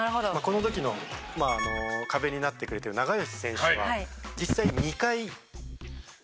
この時の壁になってくれてる永吉選手は実際。